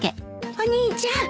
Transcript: お兄ちゃん大変！